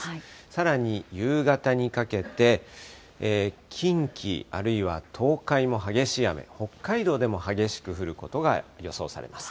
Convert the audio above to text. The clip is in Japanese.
さらに夕方にかけて、近畿、あるいは東海も激しい雨、北海道でも激しく降ることが予想されます。